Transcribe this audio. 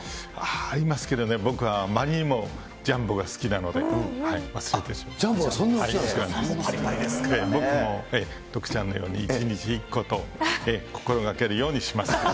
ありますけどね、僕はあまりジャンボがそんな好きなんで僕もね、徳ちゃんのように１日１個と心がけるようにします。